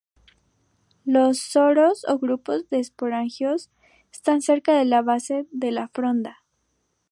Los soros o grupos de esporangios están cerca de la base de la fronda.